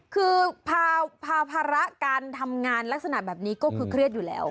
คือภาระการทำงานลักษณะแบบนี้ก็คือเครียดอยู่แล้ว